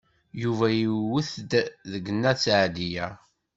Yuba iwet-d deg Nna Seɛdiya.